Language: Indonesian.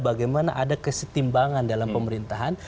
bagaimana ada kesetimbangan dalam pemerintahan